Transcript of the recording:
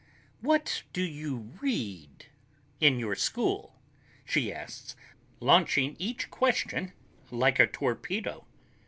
"What do you read? In your school?" she asks, launching each question like a torpedo.